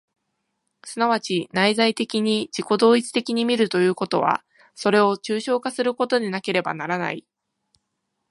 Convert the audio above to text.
即ち内在的に自己同一的に見るということは、それを抽象化することでなければならない。